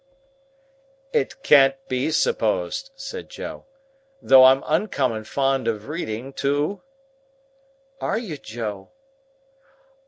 "It can't be supposed," said Joe. "Tho' I'm uncommon fond of reading, too." "Are you, Joe?"